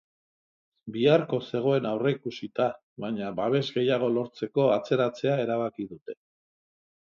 Biharko zegoen aurreikusita, baina babes gehiago lortzeko atzeratzea erabaki dute.